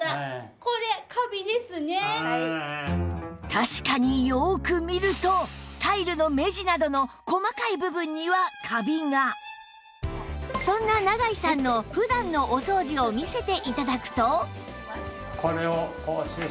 確かによく見るとタイルの目地などのそんな永井さんの普段のお掃除を見せて頂くと